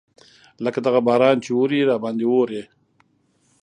لکه دغه باران چې اوري راباندې اوري.